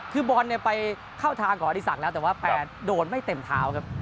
คือบอลเนี่ยไปเข้าทางของอดีศักดิ์แล้วแต่ว่าแฟนโดนไม่เต็มเท้าครับ